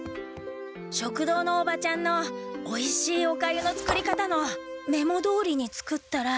食堂のおばちゃんのおいしいおかゆの作り方のメモどおりに作ったら。